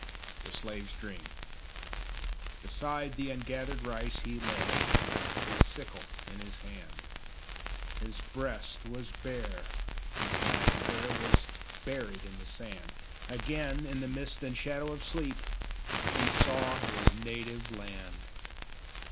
THE SLAVE'S DREAM Beside the ungathered rice he lay, His sickle in his hand; His breast was bare, his matted hair Was buried in the sand. Again, in the mist and shadow of sleep, He saw his Native Land.